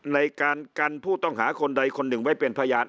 ในการกันผู้ต้องหาคนใดคนหนึ่งไว้เป็นพยาน